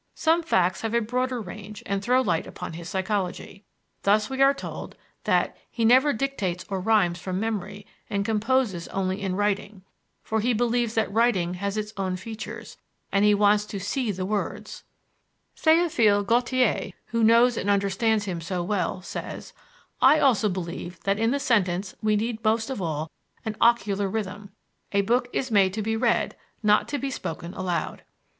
Some facts have a broader range and throw light upon his psychology. Thus we are told that "he never dictates or rhymes from memory and composes only in writing, for he believes that writing has its own features, and he wants to see the words. Théophile Gautier, who knows and understands him so well, says: 'I also believe that in the sentence we need most of all an ocular rhythm. A book is made to be read, not to be spoken aloud.'"